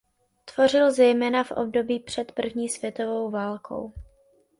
Tvořil zejména v období před první světovou válkou.